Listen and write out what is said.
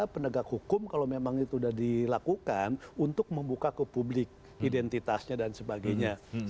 penegak hukum kalau memang itu sudah dilakukan untuk membuka ke publik identitasnya dan sebagainya